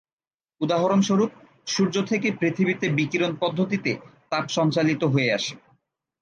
উদাহরণ স্বরুপ- সূর্য থেকে পৃথিবীতে বিকিরণ পদ্ধতিতে তাপ সঞ্চালিত হয়ে আসে।